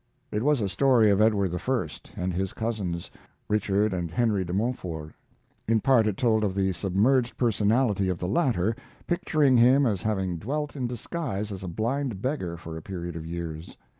It was a story of Edward I. and his cousins, Richard and Henry de Montfort; in part it told of the submerged personality of the latter, picturing him as having dwelt in disguise as a blind beggar for a period of years.